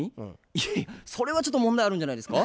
いやいやそれはちょっと問題あるんじゃないですか？